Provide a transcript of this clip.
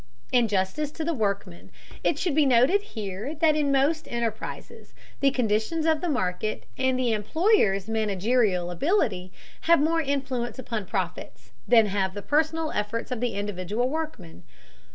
In justice to the workmen, it should be noted here that in most enterprises the conditions of the market and the employer's managerial ability have more influence upon profits than have the personal efforts of individual workmen.